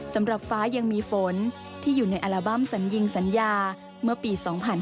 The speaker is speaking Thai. สำหรับฟ้ายังมีฝนที่อยู่ในอัลบั้มสัญญิงสัญญาเมื่อปี๒๕๕๙